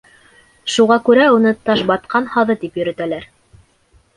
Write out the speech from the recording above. Шуға күрә уны Ташбатҡан һаҙы тип йөрөтәләр.